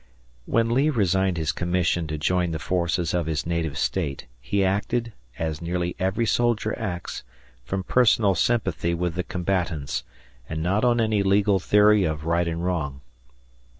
When Lee resigned his commission to join the forces of his native State, he acted, as nearly every soldier acts, from personal sympathy with the combatants, and not on any legal theory of right and wrong.